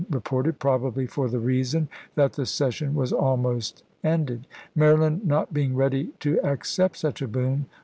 reported, probably for the reason that the session was almost ended. Maryland not being ready to accept such a boon.